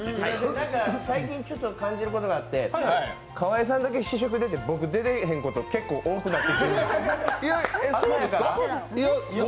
最近ちょっと感じることがあって、河井さんだけ試食あって僕出てへんこと多くなって。